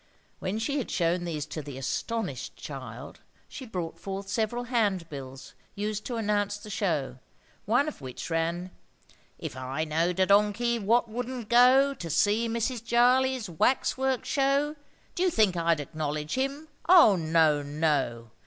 When she had shown these to the astonished child, she brought forth several handbills used to announce the show, one of which ran:— "If I knowed a donkey wot wouldn't go To see Mrs. Jarley's wax work show, Do you think I'd acknowledge him? Oh; no, no!